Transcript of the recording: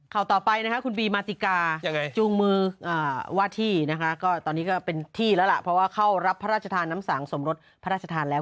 ก็ตอนนี้ก็เป็นที่แล้วล่ะเพราะว่าเข้ารับพระราชทานน้ำสางสมรสพระราชทานแล้ว